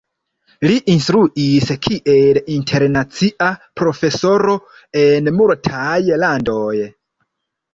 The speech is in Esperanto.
Li instruis kiel internacia profesoro en multaj landoj.